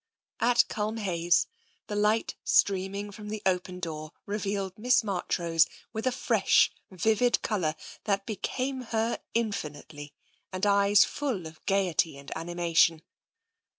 At Culmhayes, the light streaming from the open door revealed Miss Marchrose with a fresh, vivid colour that became her infinitely, and eyes full of gaiety and animation.